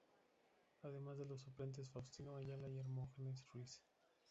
Además de los suplentes Faustino Ayala y Hermógenes Ruiz.